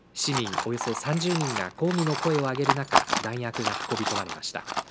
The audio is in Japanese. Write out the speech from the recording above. およそ３０人が抗議の声を上げる中弾薬が運び込まれました。